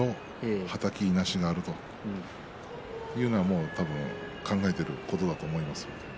はたきがあると、そういうことは考えていることだと思いますよ。